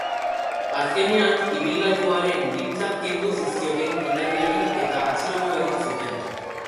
Azkenean, ibilgailuaren giltzak kendu zizkioten gidariari eta atxilotu egin zuten.